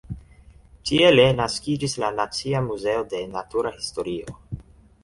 Tiele naskiĝis la Nacia Muzeo de Natura Historio.